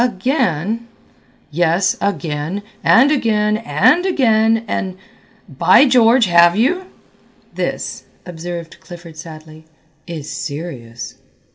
"Again?" "Yes, again and again and again and by George have you?" "This," observed Clifford sadly, "is serious."